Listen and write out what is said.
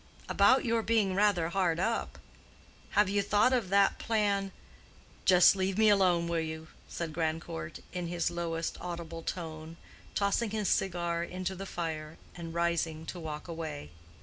"About your being rather hard up. Have you thought of that plan—" "Just leave me alone, will you?" said Grandcourt, in his lowest audible tone, tossing his cigar into the fire, and rising to walk away.